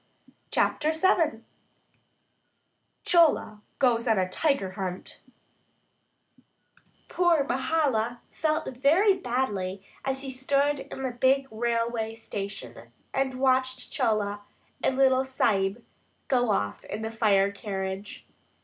CHAPTER VII CHOLA GOES ON A TIGER HUNT POOR Mahala felt very badly as he stood in the big railway station and watched Chola and the little Sahib go off in the fire carriage.